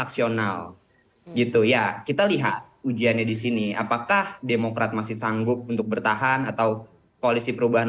koalisnya anies baswedan